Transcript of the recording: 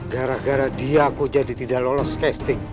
gara gara dia kok jadi tidak lolos casting